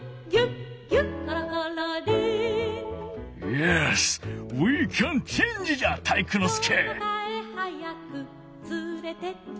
イエスウィーキャンチェンジじゃ体育ノ介！